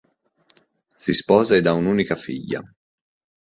Si sposa ed ha un'unica figlia.